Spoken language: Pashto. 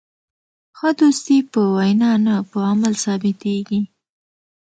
ښه دوستي په وینا نه، په عمل ثابتېږي.